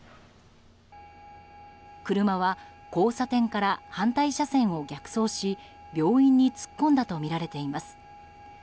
車は交差点から反対車線を逆走し病院に突っ込んだとみられています。